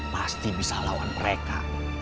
pasti bisa lawan mereka